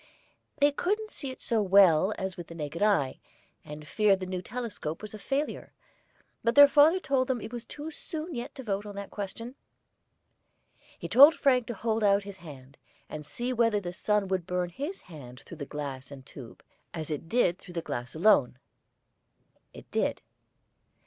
They couldn't see it so well as with the naked eye, and feared the new telescope was a failure. But their father told them it was too soon yet to vote on that question. He told Frank to hold out his hand, and see whether the sun would burn his hand through the glass and tube, as it did through the glass alone. It did.